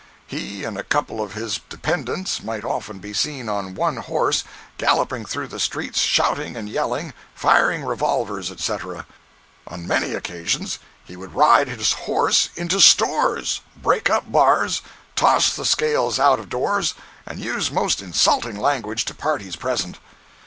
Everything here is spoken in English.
He and a couple of his dependents might often be seen on one horse, galloping through the streets, shouting and yelling, firing revolvers, etc. On many occasions he would ride his horse into stores, break up bars, toss the scales out of doors and use most insulting language to parties present.